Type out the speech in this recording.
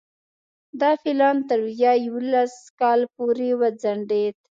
دا پلان تر ویا یوولس کال پورې وځنډېد.